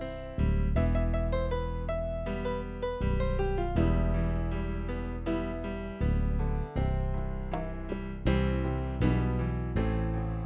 uang supaya ku tahan